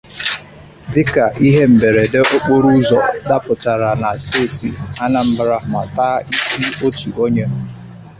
dịka ihe mberede okporo ụzọ dapụtara na steeti Anambra ma taa isi otu onye